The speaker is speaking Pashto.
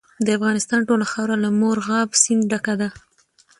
د افغانستان ټوله خاوره له مورغاب سیند ډکه ده.